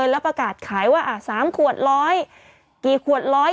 แล้วประกาศขายว่า๓ขวด๑๐๐กี่ขวด๑๐๐